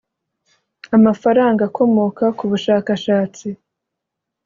amafaranga akomoka ku bushakashatsi